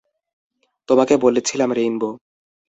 তোমাকে বলেছিলাম, রেইনবো।